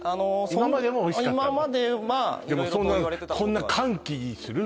今まではでもこんな歓喜する？